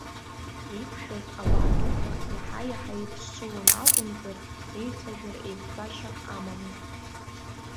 Еиқәшәаз ауаа дуқәа иаҳа-иаҳа еидшылон акәымзар, реицәажәара еиқәтәашьак амамызт.